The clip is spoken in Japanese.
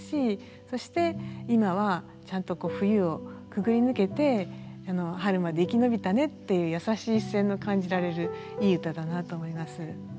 そして今はちゃんと冬をくぐり抜けて春まで生き延びたねっていう優しい視線の感じられるいい歌だなと思います。